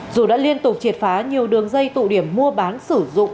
dù đã liên tục triệt phá nhiều đường dây tụ điểm mua bán sử dụng